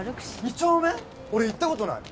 俺行ったことない。